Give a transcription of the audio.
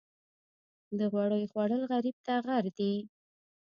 د غوړیو خوړل غریب ته غر دي.